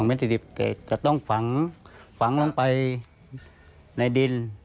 ๒เมตร๔๐จะต้องขวังลงไปในดิน